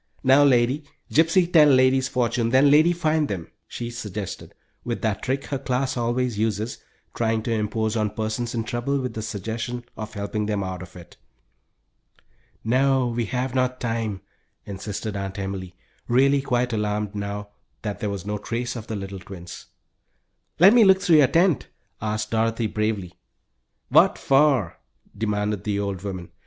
"No, lady. Gypsy tell lady's fortune, then lady find them," she suggested, with that trick her class always uses, trying to impose on persons in trouble with the suggestion of helping them out of it. "No, we have not time," insisted Aunt Emily; really quite alarmed now that there was no trace of the little twins. "Let me look through your tent?" asked Dorothy, bravely. "What for?" demanded the old woman.